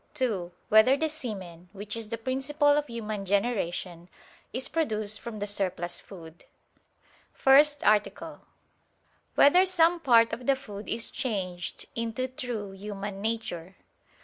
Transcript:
(2) Whether the semen, which is the principle of human generation, is produced from the surplus food? _______________________ FIRST ARTICLE [I, Q. 119, Art. 1] Whether Some Part of the Food Is Changed into True Human Nature?